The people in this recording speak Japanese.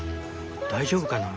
大丈夫かな？